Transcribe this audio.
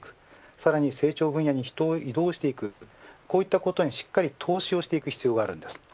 さらに成長分野に人を移動していく、こういったことにしっかり投資をしていく必要があります。